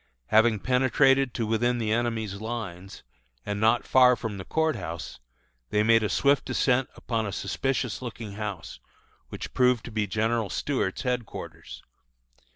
Having penetrated to within the enemy's lines, and not far from the Court House, they made a swift descent upon a suspicious looking house, which proved to be General Stuart's headquarters.